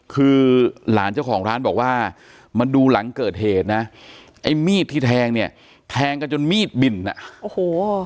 คือหลานเจ้าของร้านบอกว่ามันดูหลังเกิดเหตุนะไอ้มีดที่แทงเนี่ยแทงกันจนมีดบิ่นอ่ะโอ้โห